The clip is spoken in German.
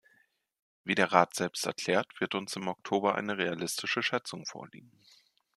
Wie der Rat selbst erklärt, wird uns im Oktober eine realistische Schätzung vorliegen.